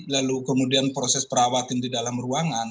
lalu kemudian proses perawatan di dalam ruangan